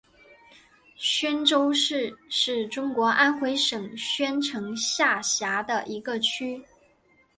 宣州区是中国安徽省宣城市下辖的一个区。